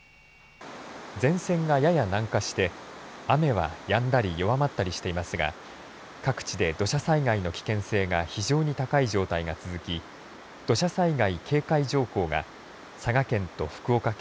前線がやや南下して雨はやんだり弱まったりしていますが各地で土砂災害の危険性が非常に高い状態が続き土砂災害警戒情報が佐賀県と福岡県